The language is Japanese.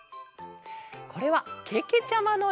これはけけちゃまのえ。